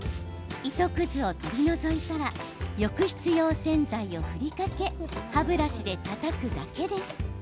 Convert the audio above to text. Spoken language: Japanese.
糸くずを取り除いたら浴室用洗剤を振りかけ歯ブラシでたたくだけです。